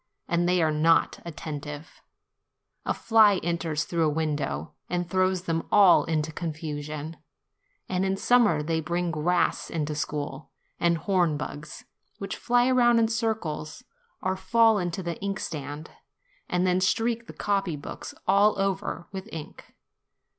And they are not attentive: a fly enters through the window, and throws them all into confusion; and in summer they bring grass into school, and horn bugs, which fly round in circles or fall into the inkstand, and then streak the copy books all over with ink.